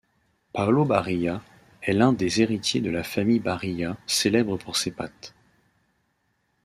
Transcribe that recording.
Paolo Barilla est l'un des héritiers de la famille Barilla, célèbre pour ses pâtes.